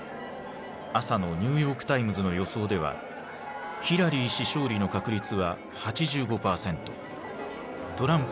朝のニューヨークタイムズの予想ではヒラリー氏勝利の確率は８５％トランプ氏は１５％だった。